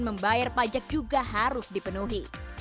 dan membayar pajak juga harus dipenuhi